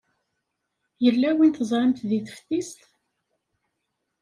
Yella win teẓramt deg teftist?